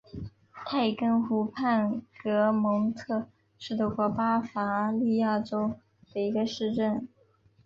泰根湖畔格蒙特是德国巴伐利亚州的一个市镇。